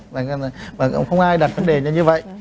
và không ai đặt vấn đề như vậy